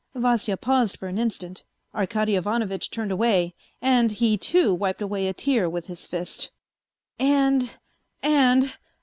' Vasya paused for an instant. Arkady Ivanovitch turned away, and he, too, wiped away a tear with his fist. " And, and